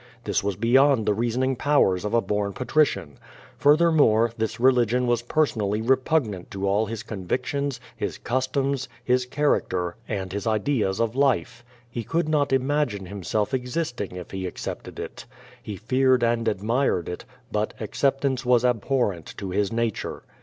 This was beyond the reasoning powers of a bom patrician. Furthermore, this religion was personally repugnant to all his convictions, his customs, his character, and his ideas of life. He could not imagine himself existing if he accepted it. He feared and admired it, but acceptance was abhorrent to his nature.